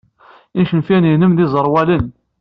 Icenfiren-nnem d iẓerwalen.